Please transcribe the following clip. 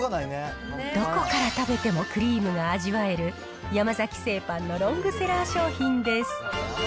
どこから食べてもクリームが味わえる、山崎製パンのロングセラー商品です。